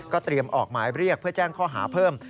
เตรียมออกหมายเรียกเพื่อแจ้งข้อหาเพิ่ม